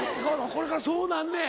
これからそうなんねん。